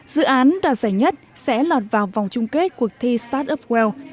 dự án đạt dài nhất sẽ lọt vào vòng chung kết cuộc thi startup well